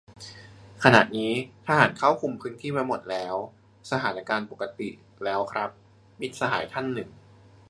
"ขณะนี้ทหารเข้าคุมพื้นที่ไว้หมดแล้ว สถานการณ์ปกติ แล้วครับ" - มิตรสหายท่านหนึ่ง